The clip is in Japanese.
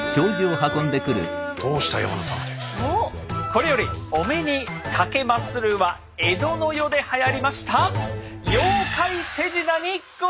これよりお目にかけまするは江戸の世ではやりました「妖怪手品」にございます！